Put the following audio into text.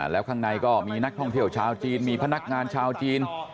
แล้วข้างในก็มีนักท่องเที่ยวชาวจีนมีพนักงานชาวจีน